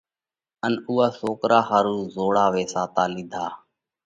ان اُوئا سوڪرا ۿارُو زوڙا ويساتا لِيڌا